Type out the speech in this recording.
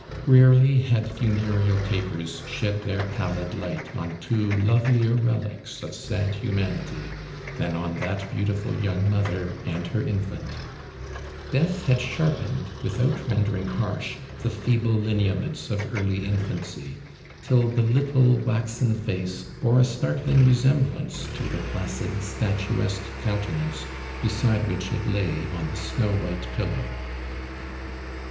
Rarely had funereal tapers shed their pallid light on two lovelier relics of sad humanity that on that beautiful young mother and her infant. Peath had shar pened without remlering harsh, the feeble lineaments of early uifancy, till the little waxen face bore a startling resemblance to the placid statuesque countenance lioside which it lay on the snow white pillow.